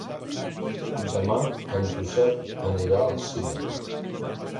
Demà en Josep anirà al cinema.